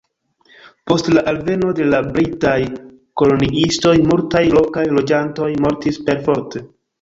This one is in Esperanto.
Post la alveno de la britaj koloniistoj, multaj lokaj loĝantoj mortis perforte.